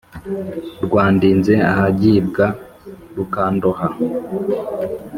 Rwandinze ahagibwa Rukandoha